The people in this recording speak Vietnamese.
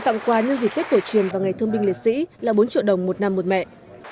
tặng quà nhân dị tuyết cổ truyền vào ngày thương binh liệt sĩ là bốn triệu đồng một năm một mẹ